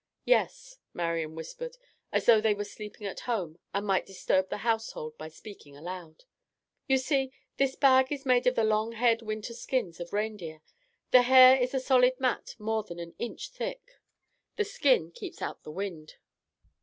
"Yes," Marian whispered, as though they were sleeping at home and might disturb the household by speaking aloud. "You see, this bag is made of the long haired winter skins of reindeer. The hair is a solid mat more than an inch thick. The skin keeps out the wind.